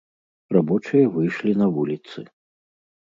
Рабочыя выйшлі на вуліцы.